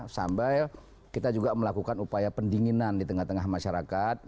sampai kita juga melakukan upaya pendinginan di tengah tengah masyarakat